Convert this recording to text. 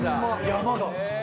山だ！